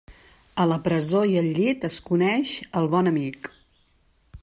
A la presó i al llit es coneix el bon amic.